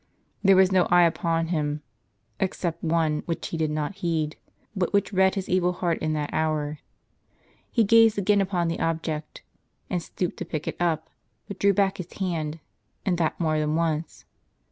M There was no eye upon him — except One which he did not heed, but which read his evil heart in that hour. He gazed again upon the object, and stooped to pick it up, but drew back his hand, and that more than once.